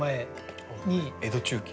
江戸中期。